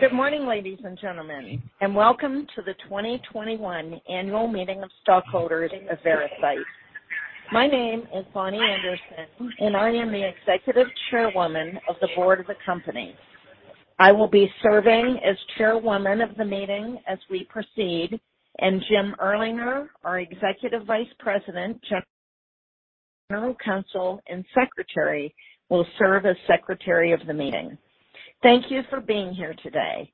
Good morning, ladies and gentlemen, and welcome to the 2021 Annual Meeting of Stockholders of Veracyte. My name is Bonnie Anderson, and I am the Executive Chairwoman of the Board of the company. I will be serving as Chairwoman of the meeting as we proceed, and James Erlinger, our Executive Vice President, General Counsel, and Secretary, will serve as Secretary of the meeting. Thank you for being here today.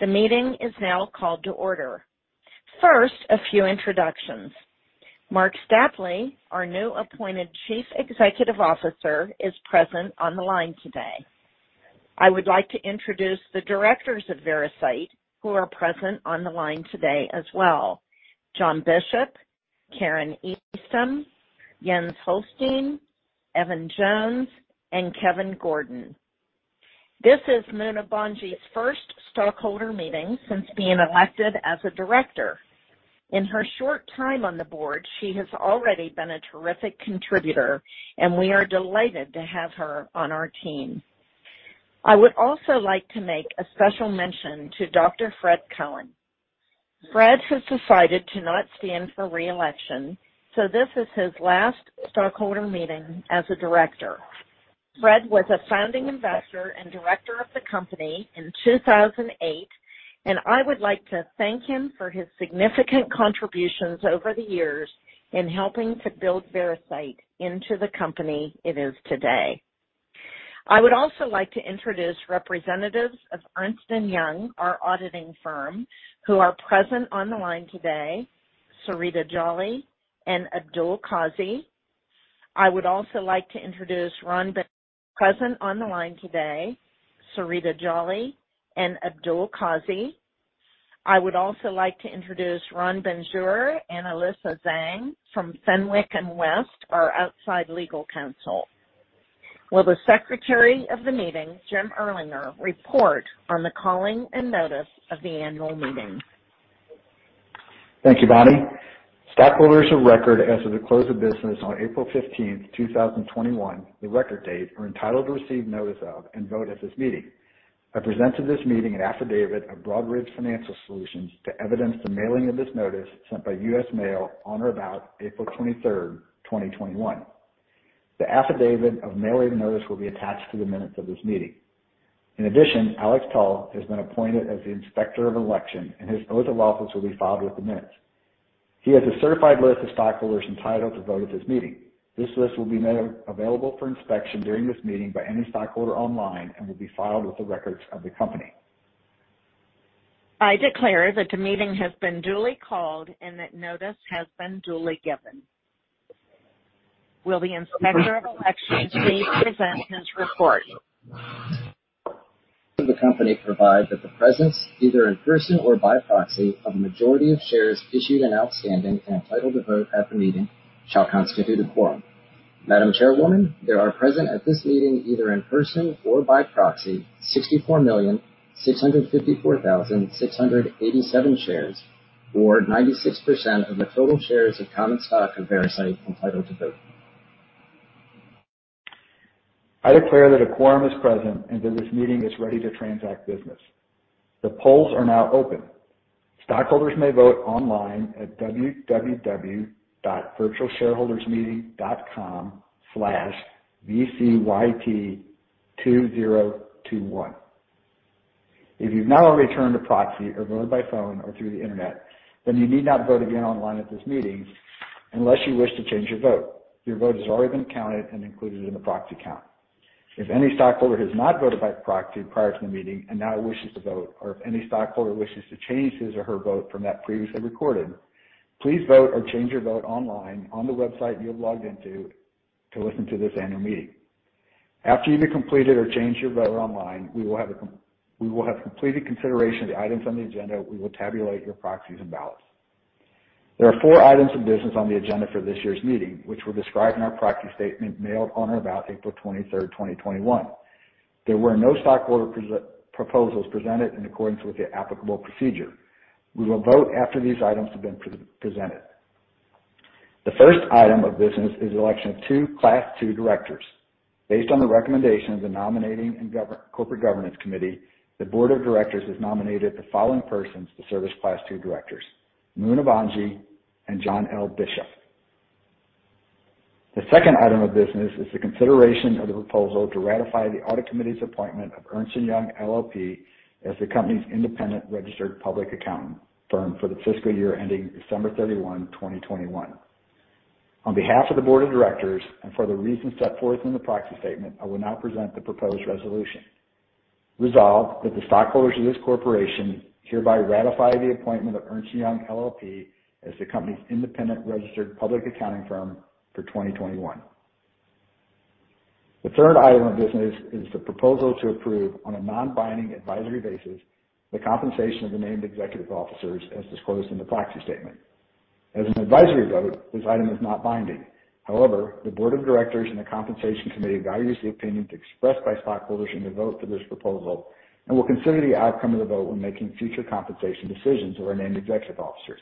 The meeting is now called to order. First, a few introductions. Marc Stapley, our new appointed Chief Executive Officer, is present on the line today. I would like to introduce the directors of Veracyte who are present on the line today as well. John Bishop, Karin Eastham, Jens Holstein, Evan Jones, and Kevin Gordon. This is Muna Bhanji's first stockholder meeting since being elected as a director. In her short time on the board, she has already been a terrific contributor, and we are delighted to have her on our team. I would also like to make a special mention to Dr. Fred Cohen. Fred has decided to not stand for re-election, so this is his last stockholder meeting as a director. Fred was a founding investor and director of the company in 2008, and I would like to thank him for his significant contributions over the years in helping to build Veracyte into the company it is today. I would also like to introduce representatives of Ernst & Young, our auditing firm, who are present on the line today, Sarita Jolly and Abdul Kazi. I would also like to introduce Ran Ben-Tzur and Alyssa Zhang from Fenwick & West, our outside legal counsel. Will the Secretary of the meeting, James Erlinger, report on the calling and notice of the annual meeting? Thank you, Bonnie. Stockholders of record as of the close of business on April 15th, 2021, the record date, are entitled to receive notice of and vote at this meeting. I present to this meeting an affidavit of Broadridge Financial Solutions to evidence the mailing of this notice sent by U.S. Mail on or about April 23rd, 2021. The affidavit of mailing notice will be attached to the minutes of this meeting. In addition, Alex Tull has been appointed as the Inspector of Election, and his oath of office will be filed with the minutes. He has a certified list of stockholders entitled to vote at this meeting. This list will be made available for inspection during this meeting by any stockholder online and will be filed with the records of the company. I declare that the meeting has been duly called and that notice has been duly given. Will the Inspector of Election please present his report? The company provide that the presence, either in person or by proxy of majority of shares issued and outstanding, entitled to vote at the meeting, shall constitute a quorum. Madam Chairwoman, there are present at this meeting, either in person or by proxy, 64,654,687 shares, or 96% of the total shares of common stock of Veracyte entitled to vote. I declare that a quorum is present and that this meeting is ready to transact business. The polls are now open. Stockholders may vote online at www.virtualshareholdersmeeting.com/vcyt2021. If you've now returned a proxy or voted by phone or through the internet, then you need not vote again online at this meeting unless you wish to change your vote. Your vote has already been counted and included in the proxy count. If any stockholder has not voted by proxy prior to the meeting and now wishes to vote, or if any stockholder wishes to change his or her vote from that previously recorded, please vote or change your vote online on the website you have logged into to listen to this annual meeting. After you've completed or changed your vote online, we will have completed consideration of the items on the agenda. We will tabulate your proxies and ballots. There are four items of business on the agenda for this year's meeting, which were described in our proxy statement mailed on or about April 23rd, 2021. There were no stockholder proposals presented in accordance with the applicable procedure. We will vote after these items have been presented. The first item of business is election of two Class II directors. Based on the recommendation of the Nominating and Corporate Governance Committee, the board of directors has nominated the following persons to serve as Class II directors, Muna Bhanji and John L. Bishop. The second item of business is the consideration of the proposal to ratify the Audit Committee's appointment of Ernst & Young LLP as the company's independent registered public accounting firm for the fiscal year ending December 31, 2021. On behalf of the board of directors and for the reasons set forth in the proxy statement, I will now present the proposed resolution. Resolved, that the stockholders of this corporation hereby ratify the appointment of Ernst & Young LLP as the company's independent registered public accounting firm for 2021. The third item of business is the proposal to approve, on a non-binding advisory basis, the compensation of the named executive officers as disclosed in the proxy statement. As an advisory vote, this item is not binding. However, the Board of Directors and the Compensation Committee values the opinions expressed by stockholders in the vote for this proposal and will consider the outcome of the vote when making future compensation decisions to our named executive officers.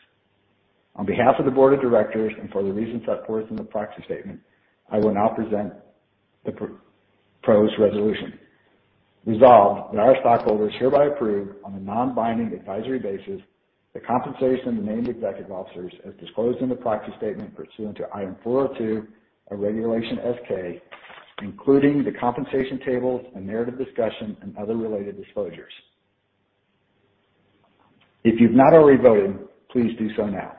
On behalf of the Board of Directors and for the reasons set forth in the proxy statement, I will now present the proposed resolution. Resolved that our stockholders hereby approve, on a non-binding advisory basis, the compensation of the named executive officers as disclosed in the proxy statement pursuant to Item 402 of Regulation S-K, including the compensation tables and narrative discussion and other related disclosures. If you've not already voted, please do so now.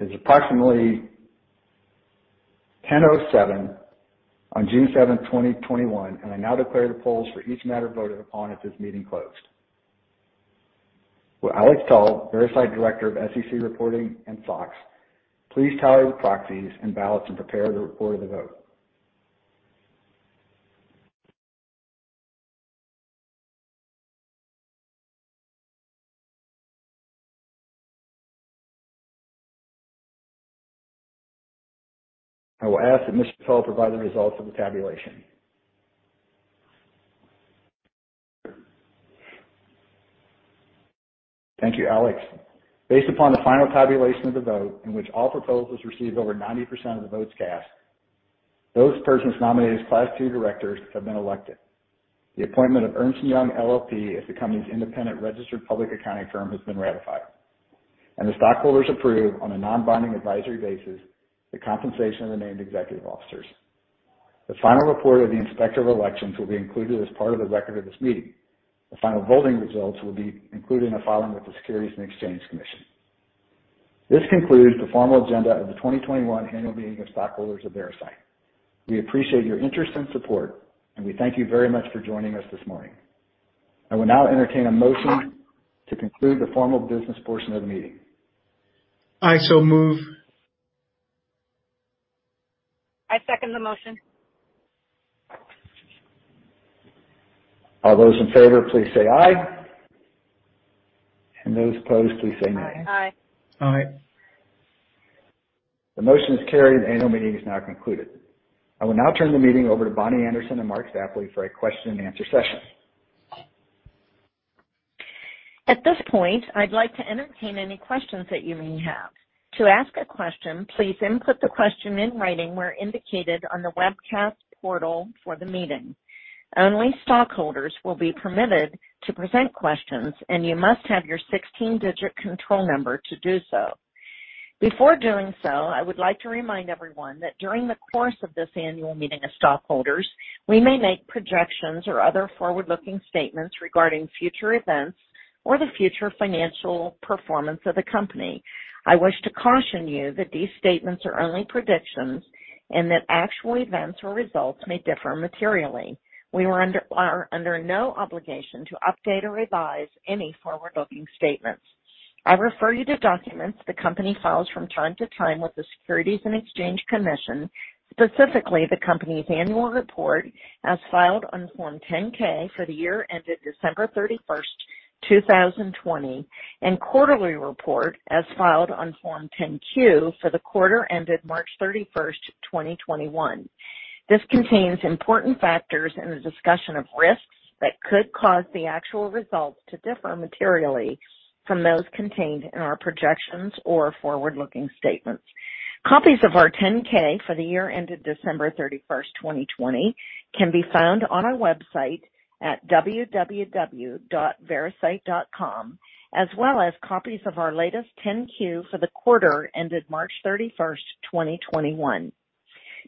It's approximately 10:07 A.M. on June 7, 2021, I now declare the polls for each matter voted upon at this meeting closed. Will Alex Tull, Veracyte Director of SEC Reporting and SOX, please tally the proxies and ballots and prepare the report of the vote? I will ask that Mr. Tull provide the results of the tabulation. Thank you, Alex. Based upon the final tabulation of the vote in which all proposals received over 90% of the votes cast, those persons nominated as Class II directors have been elected. The appointment of Ernst & Young LLP as the company's independent registered public accounting firm has been ratified. The stockholders approve on a non-binding advisory basis the compensation of the named executive officers. The final report of the inspector of elections will be included as part of the record of this meeting. The final voting results will be included in the filing with the Securities and Exchange Commission. This concludes the formal agenda of the 2021 annual meeting of stockholders of Veracyte. We appreciate your interest and support, and we thank you very much for joining us this morning. I will now entertain a motion to conclude the formal business portion of the meeting. I so move. I second the motion. All those in favor, please say aye. Those opposed, please say nay. Aye. Aye. The motion is carried. The annual meeting is now concluded. I will now turn the meeting over to Bonnie Anderson and Marc Stapley for a question-and-answer session. At this point, I'd like to entertain any questions that you may have. To ask a question, please input the question in writing where indicated on the webcast portal for the meeting. Only stockholders will be permitted to present questions, and you must have your 16-digit control number to do so. Before doing so, I would like to remind everyone that during the course of this annual meeting of stockholders, we may make projections or other forward-looking statements regarding future events or the future financial performance of the company. I wish to caution you that these statements are only predictions and that actual events or results may differ materially. We are under no obligation to update or revise any forward-looking statements. I refer you to documents the company files from time to time with the Securities and Exchange Commission, specifically the company's annual report as filed on Form 10-K for the year ended December 31st, 2020, and quarterly report as filed on Form 10-Q for the quarter ended March 31st, 2021. This contains important factors and a discussion of risks that could cause the actual results to differ materially from those contained in our projections or forward-looking statements. Copies of our 10-K for the year ended December 31st, 2020, can be found on our website at www.veracyte.com, as well as copies of our latest 10-Q for the quarter ended March 31st, 2021.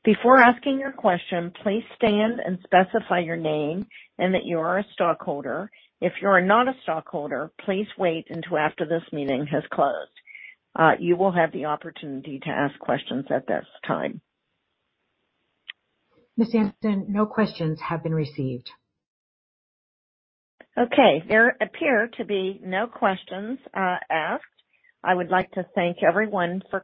Before asking your question, please stand and specify your name and that you are a stockholder. If you are not a stockholder, please wait until after this meeting has closed. You will have the opportunity to ask questions at this time. Ms. Anderson, no questions have been received. Okay. There appear to be no questions asked, I would like to thank everyone for-